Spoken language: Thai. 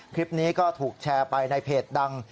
คลิปนี้ก็ถูกแชร์ไปในเพจดัง